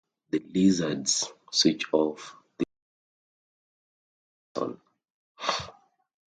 The lizards switch off this role each mating season.